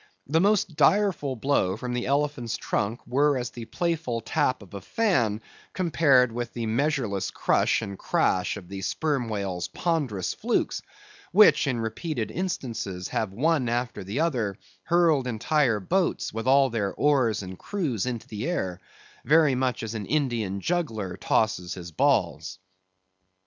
The most direful blow from the elephant's trunk were as the playful tap of a fan, compared with the measureless crush and crash of the sperm whale's ponderous flukes, which in repeated instances have one after the other hurled entire boats with all their oars and crews into the air, very much as an Indian juggler tosses his balls.